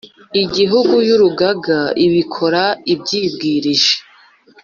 Igihugu y Urugaga ibikora ibyibwirije